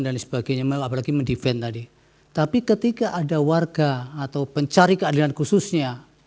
dan sebagainya mau apalagi mendefend tadi tapi ketika ada warga atau pencari keadilan khususnya